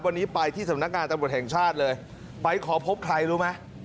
วันนี้ไปที่สำนักงานตำรวจแห่งชาติเลยไปขอพบใครรู้ไหม